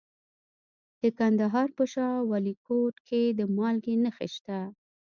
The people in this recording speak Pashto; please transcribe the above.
د کندهار په شاه ولیکوټ کې د مالګې نښې شته.